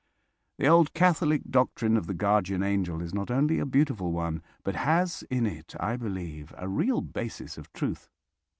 The old Catholic doctrine of the Guardian Angel is not only a beautiful one, but has in it, I believe, a real basis of truth.